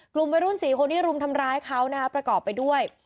กลุ่มวัยรุ่น๔คนที่รุมทำร้ายเขานะครับประกอบไปด้วย